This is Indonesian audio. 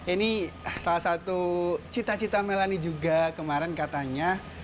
ini salah satu cita cita melani juga kemarin katanya